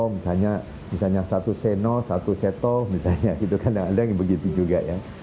misalnya satu c no satu c to misalnya gitu kan ada yang begitu juga ya